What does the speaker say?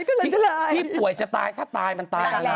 พี่ป่วยจะตายถ้าตายมันตายกันแล้ว